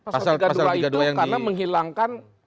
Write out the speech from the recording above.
pasal tiga puluh dua itu karena menghilangkan